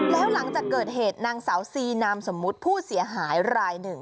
แล้วหลังจากเกิดเหตุนางสาวซีนามสมมุติผู้เสียหายรายหนึ่ง